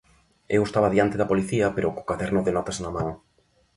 Eu estaba diante da policía pero co caderno de notas na man.